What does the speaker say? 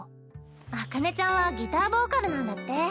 紅葉ちゃんはギターボーカルなんだって。